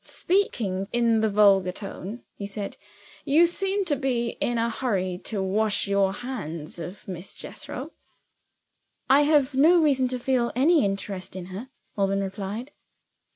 "Speaking in the vulgar tone," he said, "you seem to be in a hurry to wash your hands of Miss Jethro." "I have no reason to feel any interest in her," Alban replied.